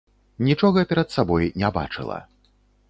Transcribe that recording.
Нічога перад сабой не бачыла.